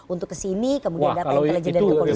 untuk kesini kemudian data intelijen dan kepolisian